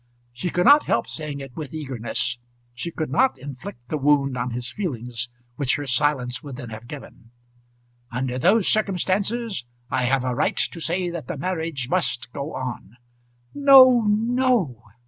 She could not help saying it with eagerness. She could not inflict the wound on his feelings which her silence would then have given. "Under those circumstances, I have a right to say that the marriage must go on." "No; no."